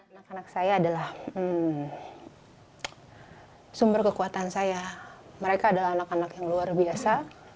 anak anak saya adalah sumber kekuatan saya mereka adalah anak anak yang luar biasa